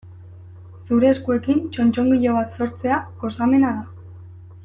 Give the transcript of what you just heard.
Zure eskuekin txotxongilo bat sortzea gozamena da.